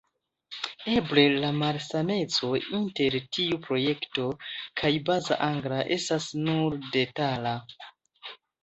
Eble la malsameco inter tiu projekto kaj Baza Angla estas nur detala.